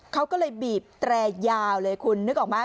เขาก็เลยบีบแตรยาวเลยคุณนึกออกไหม